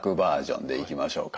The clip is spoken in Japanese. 標準でいきましょうか。